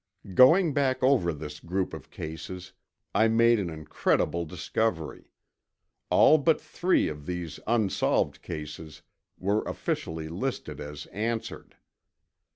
Going back over this group of cases, I made an incredible discovery: All but three of these unsolved cases were officially listed as answered.